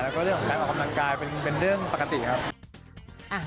แล้วก็เรื่องของการออกกำลังกายเป็นเรื่องปกติครับ